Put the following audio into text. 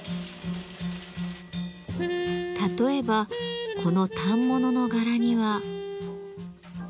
例えばこの反物の柄には。